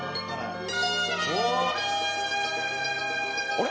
あれ？